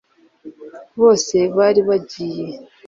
bose bari bagiye